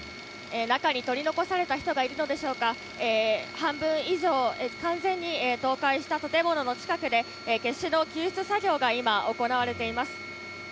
中に取り残された人がいるのでしょうか、半分以上、完全に倒壊した建物の近くで、決死の救出作業が今、行われています。